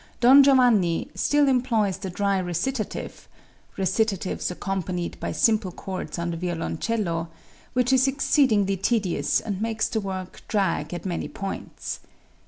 "Don Giovanni" still employs the dry recitative (recitatives accompanied by simple chords on the violoncello), which is exceedingly tedious and makes the work drag at many points.